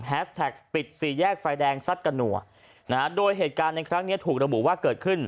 แท็กปิดสี่แยกไฟแดงซัดกระหนัวนะฮะโดยเหตุการณ์ในครั้งนี้ถูกระบุว่าเกิดขึ้น